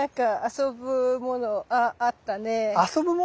遊ぶもの？